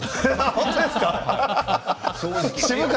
本当ですか？